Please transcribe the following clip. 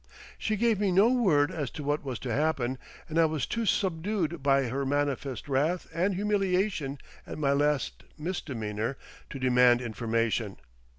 She gave me no word as to what was to happen, and I was too subdued by her manifest wrath and humiliation at my last misdemeanour to demand information.